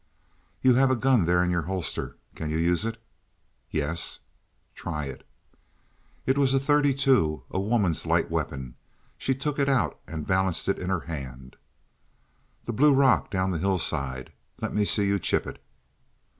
"You have a gun there in your holster. Can you use it?" "Yes." "Try it." It was a thirty two, a woman's light weapon. She took it out and balanced it in her hand. "The blue rock down the hillside. Let me see you chip it."